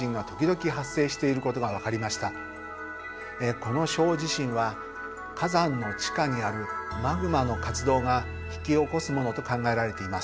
この小地震は火山の地下にあるマグマの活動が引き起こすものと考えられています。